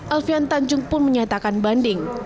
alfian tanjung pun menyatakan banding